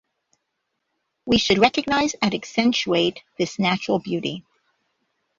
We should recognize and accentuate this natural beauty